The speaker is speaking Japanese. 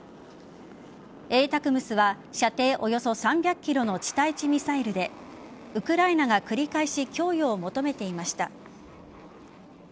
ＡＴＡＣＭＳは射程およそ３００ｋｍの地対地ミサイルでウクライナが繰り返し供与を求めていました。